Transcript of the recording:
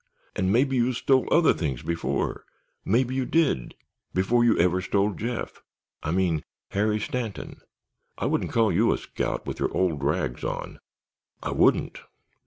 And maybe, you stole other things before—maybe you did—before you ever stole Jeff—I mean Harry Stanton! I wouldn't call you a scout with your old rags on—I wouldn't.